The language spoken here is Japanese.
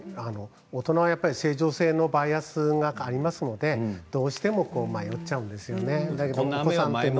大人は正常性バイアスがありますのでどうしても迷っちゃうんですよね。